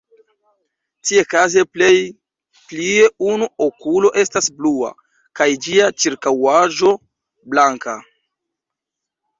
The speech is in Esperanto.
Tie kaze plej plie unu okulo estas blua, kaj ĝia ĉirkaŭaĵo blanka.